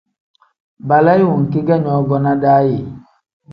Balaayi wenki ge nyongonaa daa ye ?